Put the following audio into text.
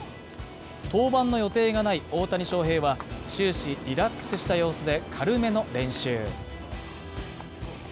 登板の予定がない大谷翔平は終始リラックスした様子で軽めの練習。